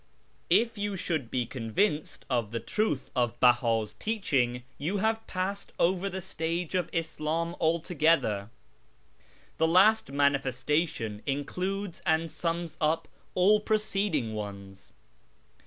If you should be convinced of the truth of Bella's teaching you have passed over the stage of Islam altogether. The last ' manifestation ' includes and sums up all preceding ones.